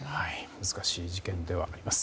難しい事件ではあります。